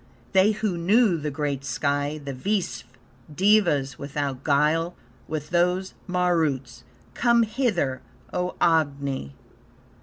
They who know the great sky, the Visve Devas without guile; with those Maruts Come hither, O Agni!